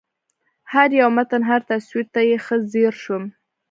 هر یو متن هر تصویر ته یې ښه ځېر شوم